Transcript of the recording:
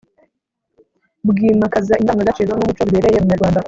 bwimakaza indangagaciro n’umuco bibereye umunyarwanda